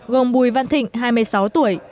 gồm bùi văn thịnh hai mươi sáu tuổi